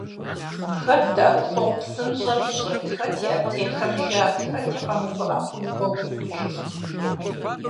Хэт «ДэӀэпыкъуэгъу псынщӀэм» ищӀырт, хэти аптекэм жат, хэти къэмыувыӀэххэу и гъуэгу икӀужырт.